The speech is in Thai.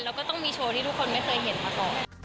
แล้วก็ต้องมีโชว์ที่ทุกคนไม่เคยเห็นมาก่อน